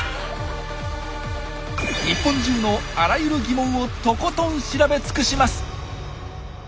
日本中のあらゆる疑問をとことん調べつくします！